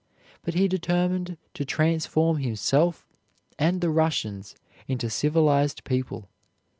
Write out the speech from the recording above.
But he determined to transform himself and the Russians into civilized people.